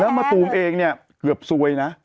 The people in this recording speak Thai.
มะตูมเองเนี่ยเกือบซวยนะ